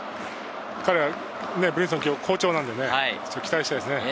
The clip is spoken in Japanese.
８番からですけど、ブリンソン、今日好調なので期待したいですね。